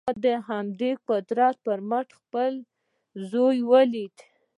ما د همدې قدرت پر مټ خپل زوی وليد.